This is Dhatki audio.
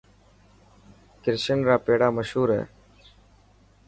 ڪرشن را پيڙا مشهور هي.